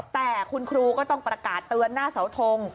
แต่คุณครูก็ต้องประกาศเตือนหน้าเสาทง